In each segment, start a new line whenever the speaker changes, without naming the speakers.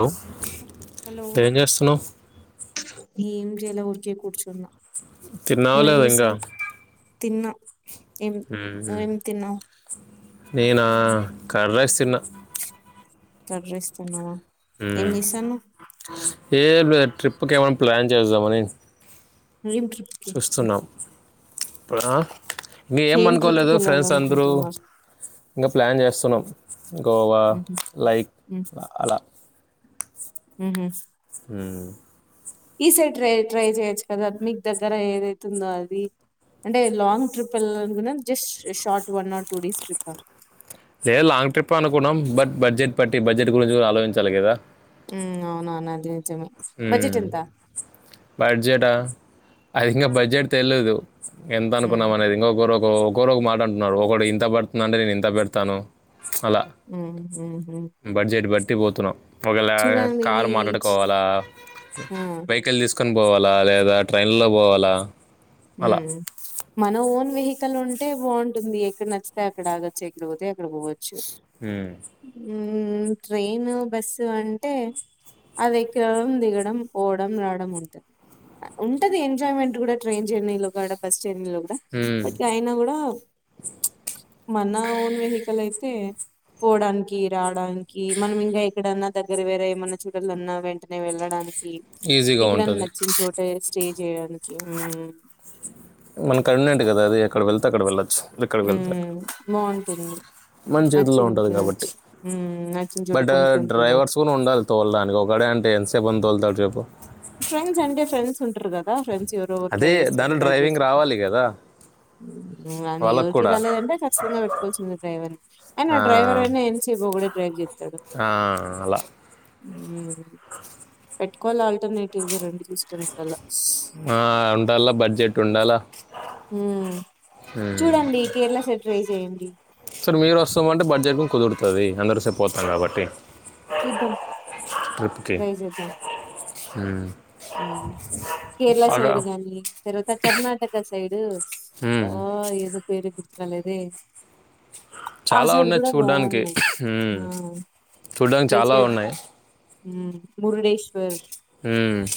Hello,
hello
ఏం చేస్తున్నావు
ఏమ్ జేలా ఊరికే కూర్చున్నా
తిన్నావా
నువ్వేం
లేదా ఇంగా
చేస్తాను తిన్నా ఏం నువ్వేమ్ తిన్నావ్
నేనా కర్రైస్ తిన్నా
కడ్రైస్ తిన్నావా ఏం
ఉమ్
చేస్తాన్నావ్
ఏమ్ లే ట్రిప్ కేమన్న ప్లాన్ జేజామని
ఏమ్ ట్రిప్కి
ప్పుడ అ ఇంగ
ఏం ట్రిప్కి
ఏమనుకోలేదు
వెళ్ళాలి
ఫ్రెండ్స్ అందరు
అనుకుంటున్నారు
ఇంగ ప్లాన్ జేస్తున్నాం. గోవా
మ్హూ,
లైక్ ల అలా
ఉహు
ఉమ్
ఈ సైడ్ ట్రై ట్రై చేయొచ్చు కదా మీక్ దగ్గర ఏదైతుందో అది అంటే లాంగ్ ట్రిప్ వెళ్ళాళనుకున్నారా just short one or two days trip అ.
లేద్ లాంగ్ ట్రిప్ అనుకున్నాం బట్ బడ్జెట్ పట్టి బడ్జెట్ గురించి గూడాలోచించాలి కదా.
ఉమ్ అవునవునదే.
ఉమ్ బడ్జెట అదింగా బడ్జెట్ తేల్లేదు
మ్,
ఎంతనుకున్నామనేది ఇంగొకరు ఓ ఒక్కోరొగ మాటంటున్నారు ఒకడు ఇంత బడ్తుందంటే నేను ఇంత బెడ్తాను. అలా
మ్, మ్హూ.
బడ్జెట్ బట్టి పెట్టిపోతున్నాం ఒకళ
చూడడానికి
కారు మాట పోవలా
ఆ,
వెహికల్ తీసుకుొని పోవాలా లేదా ట్రైన్ లో పోవాలా అలా
హ్మ్ మన ఓన్ వెహికిల్ ఎక్కలు ఉంటే బాగుంటుంది ఎక్కడ నచ్చితే అక్కడ ఆగొచ్చు ఎక్కడ పోతే అక్కడ పోవచ్చు
హ్మ్
హ్మ్ ట్రైన్ బస్సు అంటే అది ఎక్కడం దిగడం పోవడం రావడం ఉంటుంది ఉంటది ఎంజాయ్మెంట్ కూడా ట్రైన్ జర్నీలో కూడా బస్ చెన్నలో కూడా
మ్మ్.
బట్టి అయినా కూడా మన ఓన్ వెహికల్ అయితే పోడానికి రాడానికి మనం ఇంకా ఎక్కడన్నా దగ్గర వేరే ఏమన్నా చూడలన్నా వెంటనే వెళ్ళడానికి కి
ఈజీగా
ఎక్కడన్నా
ఉంటుంది
నచ్చిన చోటే స్టే చేయడానికి హ్మ్
మనకి కన్వినయింట్ కదా అది అక్కడ వెళ్తే అక్కడ వెళ్ళచ్చు ఇక్కడికి వెళ్తే అక్క
మ్మ్ బాగుంటుంది
మన్ చేతుల్లో
నచ్చింది
ఉంటుంది కాబట్టి
తినొచ్చు హ్మ్ నచ్చిన చోట
బట్
కొనుక్కొని తినొచ్చు
డ్రైవర్స్ కూడా ఉండాలి తోలడానికి ఒకడే అంటే ఎంతసేపు అని తోలుతాడు చెేప్పు
ఫ్రెండ్స్ అంటే ఫ్రెండ్స్ ఉంటారు కదా ఫ్రెండ్స్ ఎవరురు
అదే
ట్రై చేస్తారు
దాంట్లో
డ్రైవ్ చేస్త
డ్రైవింగ్ రావాలి కదా
అని
వాళ్ళకు
ఎవరికి
కూడా
రాలేదంటే ఖచ్చితంగా పెట్టుకోవాల్సింది డ్రైవర్ అయిన ఆ డ్రైవర్ అయినా ఎంసేపు కూడా డ్రైవ్ చేస్తాడు
ఆ, అలా
పెట్టుకోవాలి ఆల్టర్నేటివ్ ని గా రండి తీసుకునిండిల్లా
ఆ ఉండాల బడ్జెట్ ఉండాలా
హ్మ్ చూడండి కేరళ సైడ్ ట్రై చేయండి
సరే మీరు వస్తామంటే బడ్జెట్ కుదురుతు వస్తుది అందరుసేపు పోతాం కాబట్టి
చూద్దాం ట్రై చేద్దాం
హ్మ్
కేరళ సైడ్ గాని తర్వాత కర్ణటక సైడ్
మ్మ్.
ఆ ఏదో పేరే గుర్తు అలేదే
చాలా ఉన్నాయి చూడ్డానికి హ్మ్
ఆ
చూడ్డానికి చాలా ఉన్నాయి
హ్మ్ మురుడేశ్వర్
హ్మ్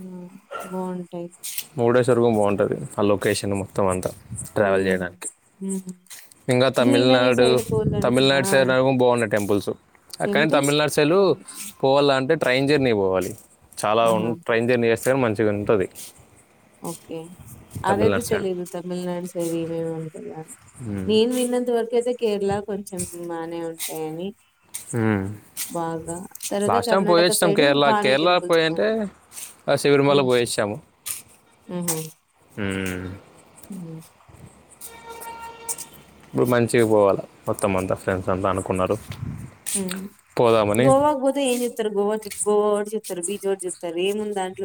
హ్మ్ బాగుంటాయి
మురుదేశ్వర్ కూడా బాగుంటుంది ఆ లొకేషన్ మొత్తం అంతా ట్రావెల్
ఉమ్,
చేయడానికి
ఉమ్.
ఇంకా
గ్రీనరీ
తమిళనాడు
సైడ్ పోలంటే ఆ
తమిళనాడు సైడ్ అ పోవాలంటే బాగున్నాయి. టెంపుల్స్ కానీ,
టెంపుల్స్
తమిళనాడు సైడ్ పోవాల అంటే, ట్రైన్ జర్నీ పోవాలి చాలా
ఆహా
ఉంట ట్రైన్ జర్నీస్ మంచిగ ఉంటది
ఓకే అదేది తెలీదు తమిళనాడు సైడ్ ఏమేమి ఉంటదా
మ్మ్.
నేను విన్నంత వరు కైతే కేరళ కొంచెం బానే ఉంటాయని బాగా తర్వాత
లాస్ట్ టైం పోయి
కర్ణాటక
వచ్చినాం
సైడ్
కేరళక్
బానే
కేరళ
టెంపుల్స్
పోయి అంటే
బాగుంటాయి
శబరిమలకి పోయి వచ్చానాం.
ఉహు
ఉ
ఉ
ఇప్పుడు మంచిగా పోవాల మొత్తం అంతా ఫ్రెండ్స్ అంతా అనుకున్నారు.
హుమ్
పోదామని
గోవాకి పోతే ఏం చేత్తరు గోవా కి చెప్ గోవా ఒకటే చూత్తరు బీచ్ రోజు చూత్తరు ఏముందడ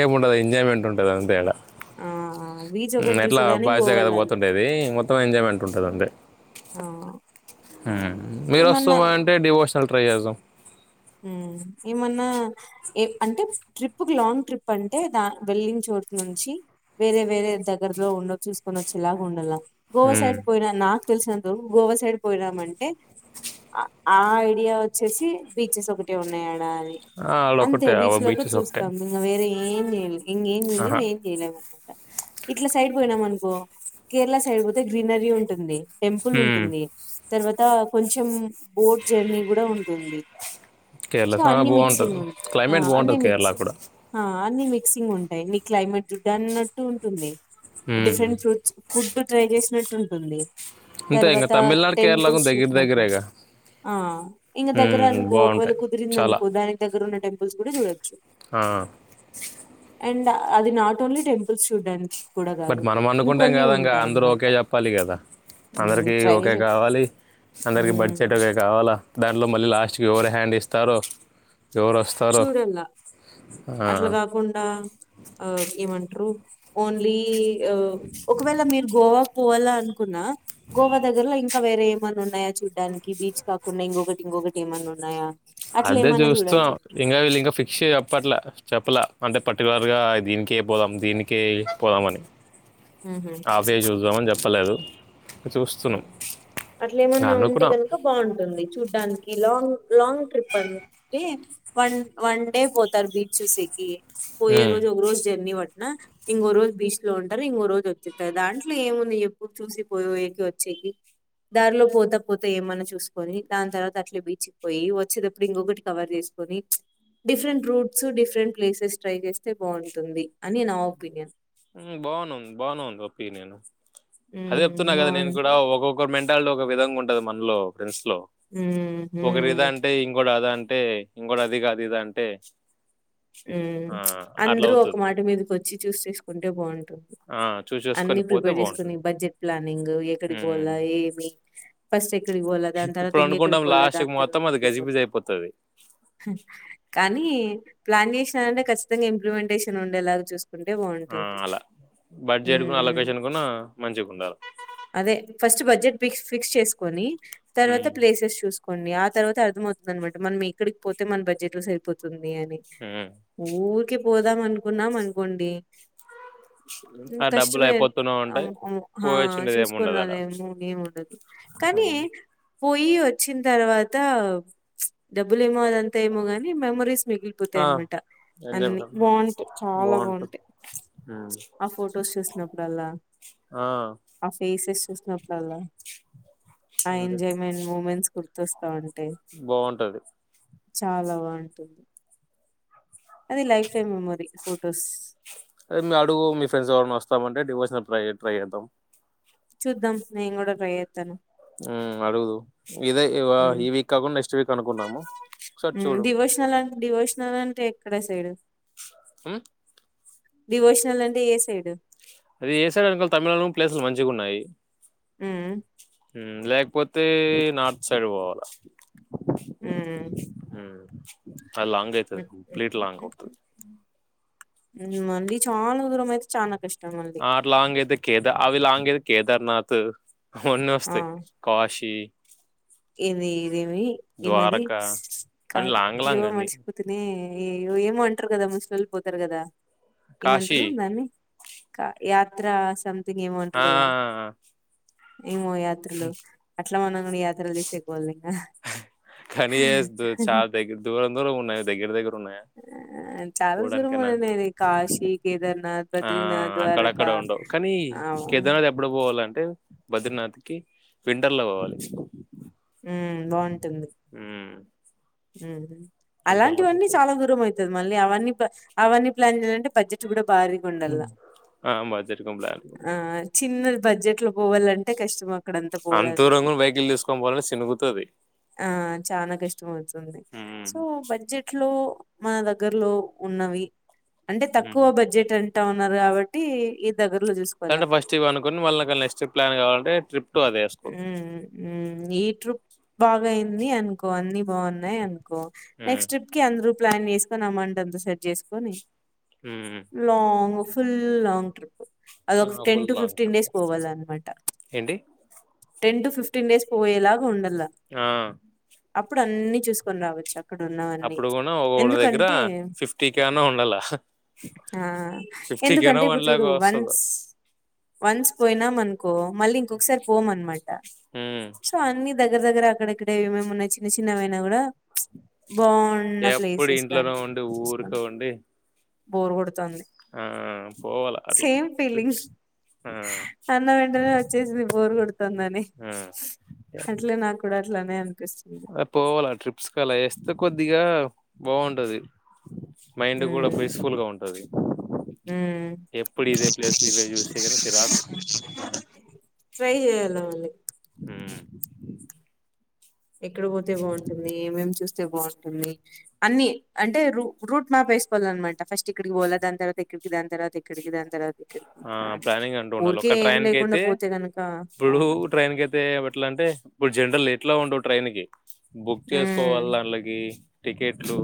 ఏం ఉండదు ఎంజాయ్మెంట్ ఉంటుం గం తేడా
ఆ బీచ్ ఒకటి
ఎట్లా
చూసేదానికి
బావిస్తే కదా
పోవాల అంతే
పోతుండేది. మొత్తం ఎంజాయ్మెంట్ ఉంటది. అంతే
ఆ
మీరు వస్తు
ఏమన్నా
అంటే డివోర్స్ ట్రై చేద్దాం
ఏమన్నా ఏ అంటే ట్రిప్ లాంగ్ ట్రిప్ అంటే దా వెళ్లిన, చోటు నుంచి వేరే వేరే దగ్గరలో ఉన్నది. చూసుకొని వచ్చేలాగ ఉండాల. గోవా
మ్మ్.
సైడ్ పోయిన నాకు తెలిసినన్ గోవా సైడ్ పోయినామంటే ఆ ఐడియా వచ్చేసి బీచెస్ ఒకటి ఉన్నాయి.
ఆ,
అంతే
అదొకటే అవ
బీచ్ లో ఒకటే
బీచెస్
చూస్తాం ఇంకా వేరే ఏం చేయలేం ఇంగెం చూడలేం
ఆహా
ఏం చేయము. ఇట్లా సైడ్ పోయినాం అనుకో కేరళ సైడ్ పోతే గ్రీనరీ ఉంటుంది. టెంపుల్
మ్మ్.
ఉంటుంది. తర్వాత కొంచెం బోట్ జర్నీ కూడా ఉంటుంది.
కేరళ
సో
చాలా
అన్ని మిక్సింగ్
బాగుంటుంది
ఉంది ఆ
క్లైమేట్
అన్ని
బాగుంటుంది కేరళ కూడా
మిక్స్ఆ అన్ని మిక్ గ్ ఉంటాయి నీ క్లైమేట్ చూద్దాం అన్నట్టు ఉంటుంది
మ్మ్.
డిఫరెంట్ ఫ్రూట్స్ ఫుడ్ ట్రై చేసినట్టు ఉంటుంది
అంతే ఇంకా
తర్వాత
తమిళనాడు కేరళకు
టెంపుల్స్
దగ్గర
చూసినట్టు
దగ్గరేగా
ఆ ఇంక దగ్గర
హ్మ్.
ఒకవేళ
బావుంటాయి.
కుదిరింది
చాలా.
అనుకో దానికి దగ్గర ఉన్న టెంపుల్స్ కూడా చూడచ్చు
ఆ!
అండ్ అది నాట్ ఓన్లీ టెంపుల్స్ చూడం
బట్ మనం అనుకుంటాం. కదాంక అందరూ
అన్నమాట
ఓకే చెప్పాలి కదా.
మ్మ్
అందరికి
ట్రై
ఓకే
చే
కావాలి. అందరికి
మ్మ్
బడ్జెట్ లో కావాలా దాంట్లో మళ్ళ లాస్ట్. ఎవర్ హ్యాండ్ ఇస్తారో ఎవరొస్తారో.
చూడలా
ఆ!
అట్లా కాకుండా ఆ ఏమంటారు ఓన్లీ ఒకవేళ మీరు గోవా పోవాలా అనుకున్నా గోవ దగ్గర్లో ఇంక్ ఇంకా వేరే ఏమన్నా ఉన్నాయా చూడడానికి బీచ్ కాకుండా ఇంకొకటి ఇంకొకటి ఏమన్నా ఉన్నాయా అట్లా
అదే
ఏమన్నా
చూస్తాం
చూడాల్సి
ఇంగా విల్ ఇంగ్ ఇంకా ఫిక్స్ చెప్పట్ల చెప్పలే అంటే పర్టికులర్గా దీనికే పోదాం దీనికే పోదాం అని
మ్మ్
ఆఫే చూద్దామని చెప్పలేదు చూస్తున్నాం.
అట్లా
ఇంకా
ఏమన్నా ఉంటే
అనుకున్నాం.
గనుక బాగుంటుంది చూడ్డానికి లాంగ్ లాంగ్ ట్రిప్ అంటే వన్ వన్ డే పోతారు బీచ్ చూసేకి పోయ
హ్మ్.
రోజ ఒకరోోజ జెల్నీ పట్ అయినా ఇంగో రోజు బీచ్ లో ఉంటారు ఇంగో రోజు వచ్చెత్తరు దాంట్లో ఏముంది ఎప్పుడు చూసి పోయేకి వచ్ వచ్చ దారిలో పోత పోత ఏమన్నా చూసుకొని దాని తర్వాత అట్లే బీచ్కి పోయి వచ్చేటప్పుడు ఇంకొకటి కవర్ చేసుకొని different routes different places try చేస్తే బాగుంటుంది అని నా ఒపీనియన్
మ్మ్ బాగునుంది బానుంది ఒపీనియన్ అదే
ఉమ్,
చెప్తున్నా కదా నేను కూడా
బాగుంటుంది
ఒక్కొక్కరు మెంట్ ళ్ళు ఒక విధంగా ఉంటది మనలో ె లో
ఉమ్, ఉమ్.
ఒకరిదా అంటే ఇంకో అదా అంటే అంటే ఇంక అది కాదు ఇద అంటే
మ్మ్
ఆ అట్లా
అందరూ ఒక
అవుతది
మాట మీదకు వచ్చి చూసి చేసుకు ఉంటే బాగుంటుంది
ఆ చూసి చేసుకొని
అన్ని
పోతే
ప్రిపేర్ చేసుకుని
బాగుంటది
బడ్జెట్ ప్లానింగ్ ఎక్కడికి
ఉమ్.
పొల్లా ఏమి ఫస్ట్ సెక్ ఎక్కడికి పోలే దాని తర్వాత
ఇప్పుడు
ఇం ఎక్కడికి
అనుకుంటాం
పోలే
లాస్ట్ కి
దాని తర్వాత
మొత్తం అది
ఎక్కడికి
గజిబిజి
పోలదు
అయిపోతది
కానీ ప్లాన్ చేస్న అంటే ఖచ్చితంగా ఇంప్లిమెంటేషన్ ఉండేలాగా చూస్ ఉంటే
ఆ
బాగుంటుంది
అలా బడ్జెట్ కూడా అలొకేషన్ కూడా మంచిగా ఉండాలి
అదే ఫస్ట్ బడ్జెట్ పిక్స్ ఫిక్స్ చేసుకొని తర్వాత
ఉమ్,
ప్లేసెస్ చూసుకోండి అత్ ఆ తర్వాత అర్థమవుతది అనమాట మనం ఎక్కడికి పోతే మన బడ్జెట్ లో సరిపోతుంది అని
ఉమ్.
ఊకి పోదాం అనుకున్నాం అనుకోండి
ఆ డబ్బులు
కష్టమే
అయిపోతూనే ఉంటాయి
మ్మ్ ఆ
పోయచ్చుండేది ఏమి ఉండదు అడ
చూసుకునాలేమో ఏము ఉండదు కానీ పోయి వచ్చిన తర్వాత డబ్బులు ఏమో అదంతా ఏమో గాని మెమరీస్ మీకు పోతాయి
ఆ
అనమాట
ఎంజాయ్
అన్ని బాంటాయి చాలా
బాగుంటది
బాంటాయి ఆ ఫొటోస్ చూసినప్పుడల్లా
ఆ
ఆ ఫేసెస్ చూసినప్ డల్లా ఆ
అంతే
ఎంజాయిమెంట్ ముమెంట్స్ గుర్తుస్త్
బాగుంటది
చాలా బాగుంటుంది అది లైఫ్ టైమ్ మెమొరి ఫోటోస్
అదే మీ అడుగు మీ ఫ్రెండ్స్ ఎవరయినా వస్తామంటే డివోసనల్ ట్రయి ట్రై చేద్దాం
చూద్దాం నేను కూడా ట్రై చేత్తాను
ఆహ్ అడుగుదువు ఇదే ఈ వా వీక్ కాకుండా నెక్స్ట్ వీక్ అనుకున్నాము ఒకసారి చూడు
ఇక్కడే సైడ్
ఆహ్
డివోషనల్ అంటే ఏ సైడ్
అది ఏ సైడ్ అనుకోవాలి తమిళ రూమ్ ప్లేసులు మంచిగా ఉన్నాయి.
ఆ
ఆహ్ లేకపోతే నార్త్ సైడ్ పోవాల
ఉమ్
ఆహ్ అది లాంగ్ అయితాది కంప్లీట్ లాంగ్ అవుతాది
మళ్లీ చాలా దూరం అయితే చాలా కష్టం మళ్ళీ
ఆ లాంగ్ అయితే కేదా అవి లాంగ్ అయి కేదార్నాథ్ మన్న వస్తాయి కాశీ
ఏది ఇదేమి ఈమది
ద్వారకా అని
కాదు
లాంగ్
ఇవ
లాంగ్ అన్ని
మర్చిపోతేనే అయ్యోయో ఏమో అంటారు కదా ముసలోళ్లు పోతారు కదా
కాశీ
ఏమంటారు దాన్ని కా యాత్ర సమ్
ఆ
ఏమో యాత్రలు అట్లా మనం కూడా యా
కానీ అస్ దూ చాలా దగ్గర దూరం దూరం ఉన్నాయి దగ్గర దగ్గర ఉన్నాయా.
ఆహ్ చాలా దూరం
పోవడానికైనా?
అని నేను ఈ కాశీ కేదార్నాథ్
ఆ!
బద్రీనాథ్
అక్కడక్కడ
ద్వారకా
ఉండవు.
ఆ
అంటే బద్రీనాథ్కి వింటర్ లో పోవాలి
ఆహ్ బావుంట టుంది
హ్మ్.
ఉహ్
వింటర్‌లో
అలాంటివన్నీ
పోతే
చాలా దూరం అయిత తే మళ్ళీ అవన్నీ అన్నీ పాన్ అవన్నీ అన్నీ ప్లాన్ చేయాలంటే బడ్జెట్ కూడా బారిగా ఉండల్లా
ఆ! బడ్జెట్‌కి ప్లాన్
ఆహ్ చిన్నది బడ్జెట్లో పోవాలంటే కష్టం అక్కడంతా
అంత దూరం
పోవడానికి
కూడా వెహికల్ తీసుకొని పోవాలంటే సినుగుతది.
ఆ చానా కష్టం అవుతు
హ్మ్.
సో బడ్జెట్లో మన దగ్గర్లో ఉన్నవి అంటే తక్కువ
హ్మ్.
బడ్జెట్ అం తక్కొ ఉన్నారు కాబట్టి
అంటే ఫస్ట్ ఇవి అనుకొని మళ్ళ నెస్ట్ ట్రిప్ ప్లాన్ కాాలంటే ట్రిప్ టు అదే ఏసుకోవాలి.
ఉ ఈ ట్రూప్ బాగా అయింది అనుకో అన్ని బాగున్నాయి అను కో
హ్మ్.
నెక్స్ట్ ట్రిప్కి అందరు ప్లాన్ వే అమౌంట్ అంత సెట్ చేస్కొని
హ్మ్.
లాంగ్ ఫుల్ లాంగ్ ట్రిప్
ఆ!
అదొక ten
full
to
long
fifteen
trip.
Days పోవాలన్నమాట
ఏంటి?
టెన్ టు ఫిఫ్టీన్ డేస్ పోయేలాగా ఉం
ఆ!
అప్పుడు అన్ని చూస్కొని రావచ్చా అక్కడ ఉన్నవన్నీ
అప్పుడు కూడా ఒక్కొక్కడి దగ్గర
ఎందుకంటే
కన్నా ఉండాలా.
ఆ
ఫిఫ్టీకేనో
ఎందుకంటే
వన్
ఇప్పుడు
లాక్
చూడు
వస్తది
వన్స్ వన్స్ పోయినామను మళ్ళీ ఇంకొకసారి పో మన్మాట
ఉమ్
సో అన్ని దగ్గర దగ్గర అక్కడక్కడ ఏమేమి ఉన్నాయి చిన్న చిన్నవైనా గుడా బాగున్న
ఎప్పుడు
ప్లేసెస్
ఇంట్లోనే
కానీ
ఉండి
చూస్కొ
ఊరికే ఉండి
బోర్గొడ్
ఆ పోవాల అట్ల
సేమ్
ట్రిప్స్
ఫీలింగ్స్
ఆ
కొడతందని అట్ల నాక్ గుడ గట్లనే అన్
పోవాలా ట్రిప్స్ కల ఏస్తే కొద్దిగా బాగుంటది. మైండ్ కూడా పీస్ఫుల్గా ఉంటది.
మ్
ఎప్పుడు ఇదే ప్లేస్ ఇవే చూస్తే కన చిరాకు
ట్రై చేయాల మళ్ళీ
అ
ఎక్కడ పోతే బాగుంటుంది ఏమేం చూస్త అే బాగుంటంది అన్ని అంటే రూ రూట్ మ్యాప్ వేసుకోవాలినమాట ఫస్ట్ ఇక్కడికి ఓలా దాని తర్వాత ఇక్కడికి దాని తర్వాత ఎక్కడికి దాని తర్వాత ఇక్కడికి
ఆ
ఇట్లా అని
ప్లానింగ్ అంటూ ఉండాలి
ఊరికే
ఒక
ఏం
ట్రైన్ క
లేకుండా
అయితే
పోతే గనుక
ఇప్పుడు
బాగుండదు
ట్రైన్ క అయితే ఎట్లా అంటే ఇప్పుడు జనరల్ ఎట్లా ఉండదు ట్రైన్ కి బుక్
ఉమ్
చేసుకోవాలి ఆన్లకి టికెట్లు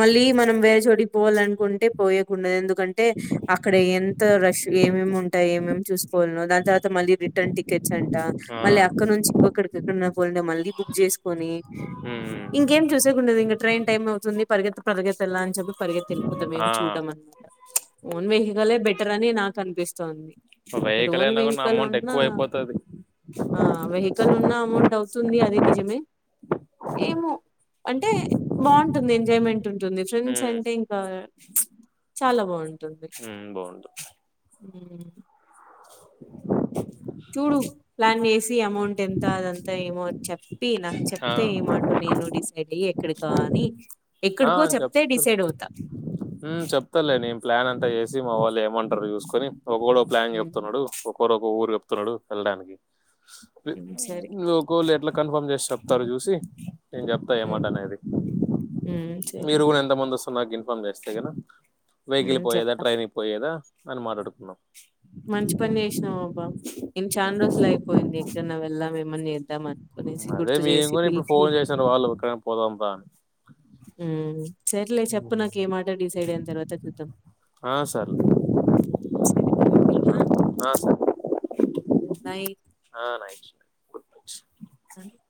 మళ్ళీ మనం బేజోడి పోవాలనుకుంటే పోయకుండదు ఎందుకంటే అక్కడ ఎంత రష్ ఏమేమి ఉంటాయి ఏమేమి చూసుకోవాలో దాని తర్వాత మళ్ళీ రిటర్న్ టికెట్ చ్చ అంట మళ్ళీ
ఆ
అక్కడ నుంచి ఇంకొకడికి ఎక్కడ పోలింట మళ్ళీ బుక్ చేసుకుొని
హ్మ్
ఇంకేం చూసేకుండది ఇంక ట్రైన్ టైమ్ అవుతుంది పరిగతి పరిగతిళ్ళ అని చెప్పి పరిగెతెళ్పోతాం ఏం
ఆ
చూడం అనమాట ఓన్ వెహికలే బెట్ టర్ అని నాకు అనిపిస్తోంది ఇ
వెహికల్
ఓన్
అయినా కూడా
వెహికల్
అమౌంట్
ఉన్నా
ఎక్కువ అయిపోతది
ఆ వెహికల్ ఉన్నా అమౌంట్ అవుతుంది అది నిజమే ఏమో అంటే బాగుంటుంది ఎందు ఎంజాయ్మెంట్ ఉంటుంది ఫ్రెండ్స్
హ్మ్
అంటే ఇంకా చాలా బాగుంటుంది
హ్మ్ బాగుండు
ఉమ్ చూడు ప్లాన్ చేసి అమౌంట్ ఎంత అదంతా ఏమో చెప్ప చెప్పి నాకు
ఆ
చెప్తే ఏ మాట నేను డిసైడ్ అయ్యే ఎక్కడ కాని
ఆ చెప్తారు చెప్తలే నేన్ ప్లాన్ అంతా చేసి మా వాళ్ళు ఏమంటారు చూసుకొని ఒకోడో ఓ ప్లాన్
హ్మ్.
చెప్తున్నాడు ఒకరొక ఊరు చెప్తున్నాడు వెళ్ళడానికి
హ్మ్. సరే.
లే ఎట్లా కన్ఫర్మ్ చేసి చెప్తారు చూసి నేను చెప్తా
హ్మ్.
ఏమాట అనేది
హ్మ్. సరే.
మీరు కూడా ఎంత మందొస్త మాకు ఇన్ఫార్మ్ జేస్తే కదా వెహికలి
హ్మ్.
పోయేదా
చెప్తా.
ట్రైని పోయేదా మళ్లి మాట్లాడుకుందాం
మంచి పని చేేసినాం అబ్బా ఇను చాలా
హ్మ్.
రోజులు అయిపోయింది ఎక్కడన్నా వెళ్దామేమని
అదే మేము కూడా ఇప్పుడు ఫోన్ చేసాను వాళ్ళు ఎక్కడైనా పోదాం రా అని
ఉమ్ సరలే చెప్పు నాకు ఏ మాట డిసైడ్ అయిన తర్వాత చూద్దాం
ఆ సర్లే
సరే మరి ఉందనా good night
sir night good night
అ